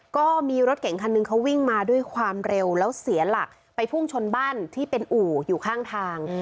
ก็มีรถเก่งคันหนึ่งเขาวิ่งมาด้วยความเร็วแล้วเสียหลักไปพุ่งชนบ้านที่เป็นอู่อยู่ข้างทาง